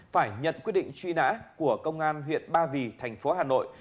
phải nhận quyết định truy nã của công an huyện ba vì tp hà nội